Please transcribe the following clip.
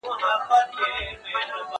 ته ولي سیر کوې،